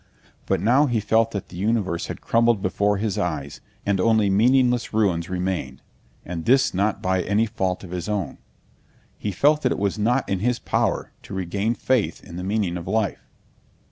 But now he felt that the universe had crumbled before his eyes and only meaningless ruins remained, and this not by any fault of his own. He felt that it was not in his power to regain faith in the meaning of life.